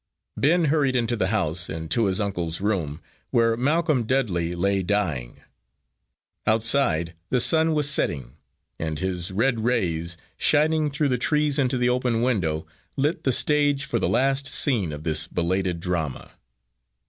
Ben hurried into the house and to his uncle's room, where Malcolm Dudley lay dying. Outside, the sun was setting, and his red rays, shining through the trees into the open window, lit the stage for the last scene of this belated drama.